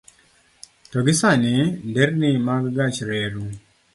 To nikech sani nderni mag gach re